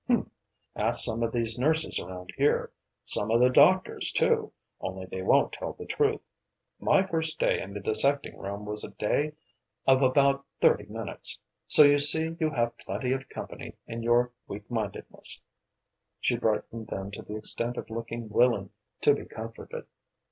Hum! Ask some of these nurses around here. Some of the doctors too, only they won't tell the truth. My first day in the dissecting room was a day of about thirty minutes. So you see you have plenty of company in your weak mindedness." She brightened then to the extent of looking willing to be comforted.